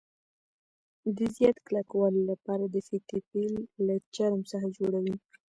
د زیات کلکوالي له پاره د فیتې پیل له چرم څخه جوړوي.